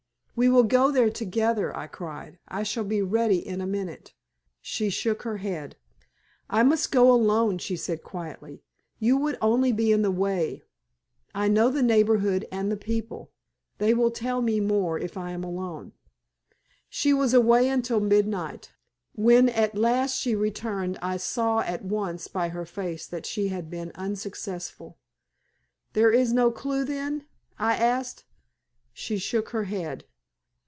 "We will go there together," I cried. "I shall be ready in a minute." She shook her head. "I must go alone," she said, quietly. "You would only be in the way. I know the neighborhood and the people. They will tell me more if I am alone." She was away until midnight. When at last she returned I saw at once by her face that she had been unsuccessful. "There is no clue, then?" I asked. She shook her head.